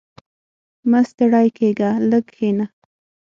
• مه ستړی کېږه، لږ کښېنه.